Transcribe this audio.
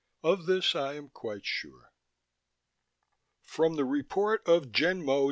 Of this, I am quite sure. From the Report of Genmo.